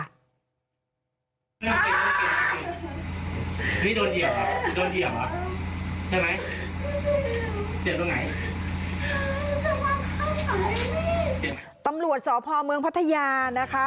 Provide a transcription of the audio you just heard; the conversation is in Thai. ตำรวจสพเมืองพัทยานะคะ